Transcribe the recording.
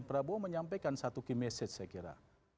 prabowo menyampaikan satu key message saya kira